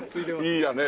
いいやね。